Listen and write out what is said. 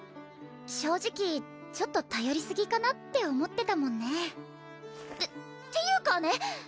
正直ちょっと頼りすぎかなって思ってたもんねてっていうかね